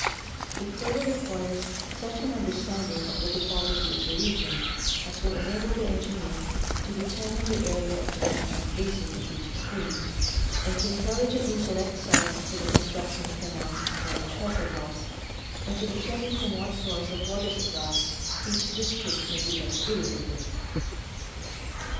It further requires such an under standing of the topography of the region as will enable the engineer to determine the area of the catchment basin of each stream, and to intelligently select sites for the construction of canals and storage reservoirs and to determine from what source of water supply each district may be best irrigated.